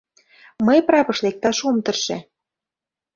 Мый прапыш лекташ ом тырше.